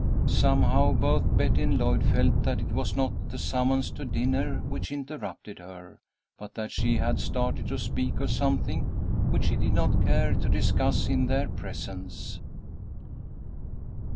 Somehow both Betty and Lloyd felt that it was not the summons to dinner which interrupted her, but that she had started to speak of something which she did not care to discuss in their presence.